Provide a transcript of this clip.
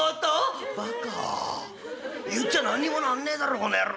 「バカ言っちゃ何にもなんねえだろこの野郎」。